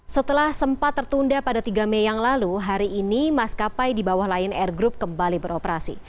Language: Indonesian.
setelah sempat tertunda pada tiga mei yang lalu hari ini maskapai di bawah lion air group kembali beroperasi